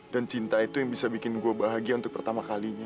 dan cinta itu yang bisa bikin gue bahagia untuk pertama kalinya